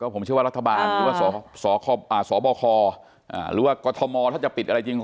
ผมเชื่อว่ารัฐบาลหรือว่าสบคหรือว่ากรทมถ้าจะปิดอะไรจริง